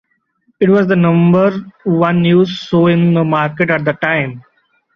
It was the number one news show in the market at the time.